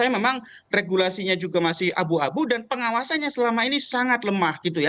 jadi menurut saya memang regulasinya juga masih abu abu dan pengawasannya selama ini sangat lemah